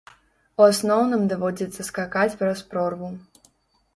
У асноўным даводзіцца скакаць праз прорву.